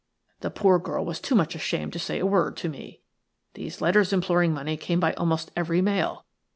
The poor girl was too much ashamed to say a word to me. These letters imploring money came by almost every mail.